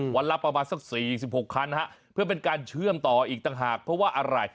วันละประมาณสัก๔๖คันเพื่อเป็นการเชื่อมต่ออีกต่างหากเพราะว่าอะไร